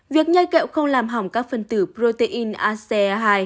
việc nhai kẹo không làm hỏng các phần tử protein ace hai